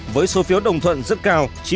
với số phiếu đồng thuận rất cao